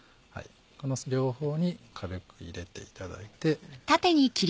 この両方に軽く入れていただいて。